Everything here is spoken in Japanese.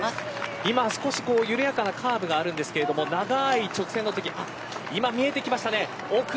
今、少し緩やかなカーブがありますが長い直線のとき今、見えてきました。